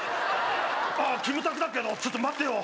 ああ、キムタクだけど、ちょ待てよ。